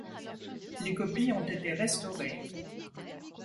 Les copies ont été restaurées.